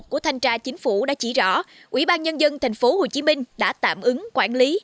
của thanh tra chính phủ đã chỉ rõ ủy ban nhân dân tp hcm đã tạm ứng quản lý